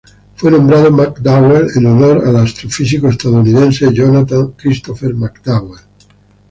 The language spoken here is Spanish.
Fue nombrado McDowell en honor al astrofísico estadounidense Jonathan Christopher McDowell.